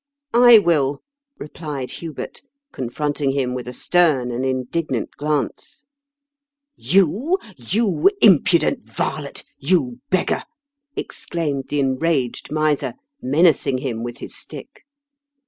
" I will 1 " replied Hubert, confronting him with a stern and indignant glance. 92 IJSr KENT WITH 0HABLE8 DICKENS. *' You! you impudent varlet! you beggar!" exclaimed the enraged miser, menacing him with his stick.